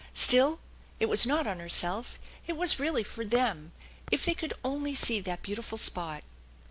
Still, it was not on herself; it was really for them. If they could only see that beautiful spot